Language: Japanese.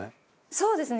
そうですね